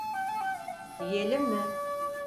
Yiyelim mi?